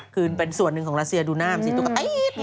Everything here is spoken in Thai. คือเป็นส่วนหนึ่งของรัสเซียดูหน้ามันสิตุ๊กตี๊ด